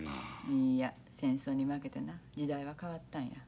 いいや戦争に負けてな時代は変わったんや。